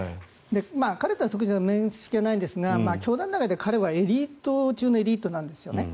彼とは面識はないんですが教団の中で彼はエリート中のエリートなんですよね。